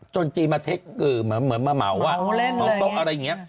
จนจีนมาเมาว่าเมาโต๊ะอะไรอย่างนี้